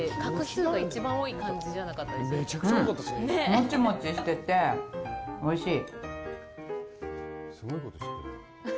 モチモチしてて、おいしい。